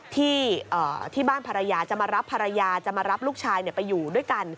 ที่บ้านภรรยาจะมารับภรรยาจะมารับลูกชายไปอยู่ด้วยกัน